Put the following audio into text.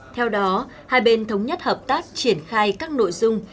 theo đó hai bên thống nhất hợp tác triển khai các nội dung